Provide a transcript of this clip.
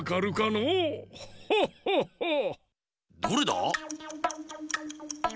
どれだ？